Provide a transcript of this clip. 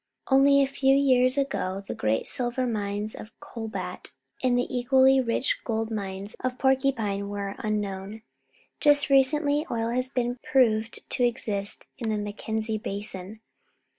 Only a few years ago the great silver mines of Cobalt and the equally rich gold mines of Porcupine were unknown. Just recently oil has been proved to exist in the Mackenzie basin.